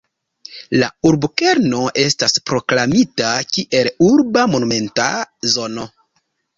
La urbokerno estas proklamita kiel urba monumenta zono.